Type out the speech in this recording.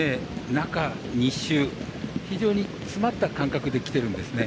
中２週、非常に詰まった間隔できてるんですね。